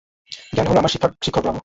জ্ঞান হল আমার শিক্ষক ব্রাভো!